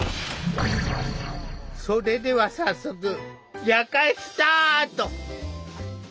それでは早速夜会スタート！